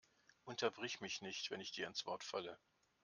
Unterbrich mich nicht, wenn ich dir ins Wort falle!